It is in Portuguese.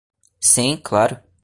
Sim, claro